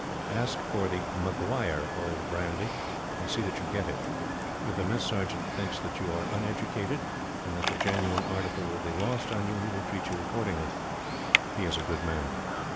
Ask for the "McGaire" old brandy, and see that you get it. If the Mess Sergeant thinks that you are uneducated, and that the genuine article will be lost on you, he will treat you accordingly. He is a good man.